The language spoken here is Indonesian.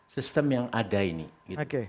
sistem yang ada ini gitu